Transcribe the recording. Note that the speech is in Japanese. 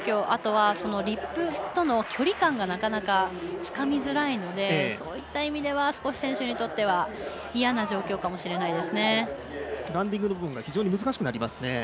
あとは、リップとの距離感がなかなかつかみづらいのでそういった意味では少し選手にとっては嫌な状況かもしれないですね。